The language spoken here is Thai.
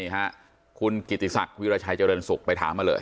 ฮ่ะคุณกิติศักดิ์วิวาชัยเจรนสุกป้ายถามมาเลย